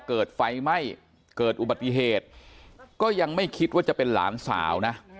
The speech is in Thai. เกิดไฟไหม้เกิดอุบัติเหตุก็ยังไม่คิดว่าจะเป็นหลานสาวนะ